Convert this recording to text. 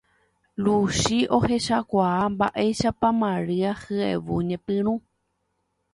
Luchi ohechakuaa mba'éichapa Maria hyevu ñepyrũ